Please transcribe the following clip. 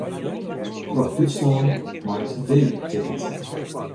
Troch Dútslân mei it D-ticket.